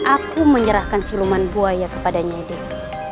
aku menyerahkan siluman buaya kepadanya dewi